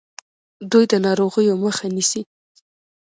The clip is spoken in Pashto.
دوی د ناروغیو مخه نیسي.